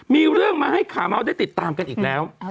มีเรื่องมาให้ขาเมาส์ได้ติดตามกันอีกแล้ว